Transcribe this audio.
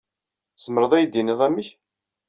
Tzemred ad iyi-d-tinid amek?